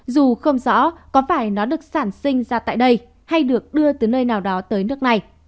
dù không rõ có phải nó được sản sinh ra tại đây hay được đưa từ nơi nào đó tới nước này